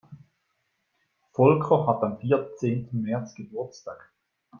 Volker hat am vierzehnten März Geburtstag.